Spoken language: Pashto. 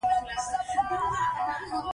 الوتکه د آسمان هنداره ده.